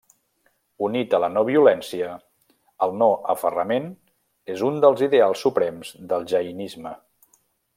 Unit a la no-violència, el no-aferrament és un dels ideals suprems del jainisme.